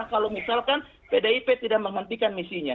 kalau misalkan pdip tidak menghentikan misinya